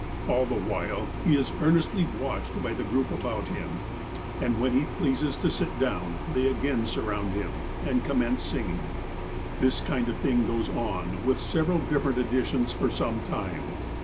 All the while, he is earnestly watched by the group about him, and when he pleases to sit down, they again sur round him, and commence singing. This kind of thing goes on, with several different additions, for some time.